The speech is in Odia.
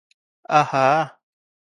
ଆହା!